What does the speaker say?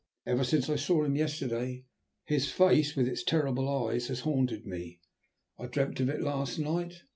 Ever since I saw him yesterday, his face, with its terrible eyes, has haunted me. I dreamt of it last night.